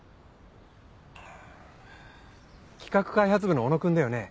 企画開発部の小野君だよね？